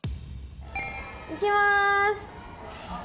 いきます！